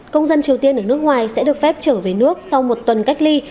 công dân triều tiên ở nước ngoài sẽ được phép trở về nước sau một tuần cách ly